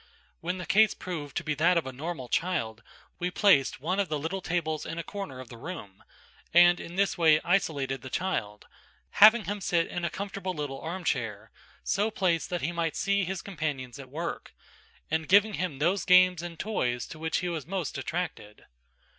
When the case proved to be that of a normal child, we placed one of the little tables in a corner of the room, and in this way isolated the child; having him sit in a comfortable little armchair, so placed that he might see his companions at work, and giving him those games and toys to which he was most attracted.